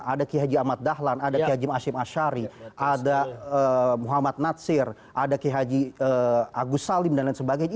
ada ki haji ahmad dahlan ada ki haji masyar asyari ada muhammad nadsir ada ki haji agus salim dan lain sebagainya